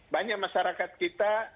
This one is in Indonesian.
banyak masyarakat kita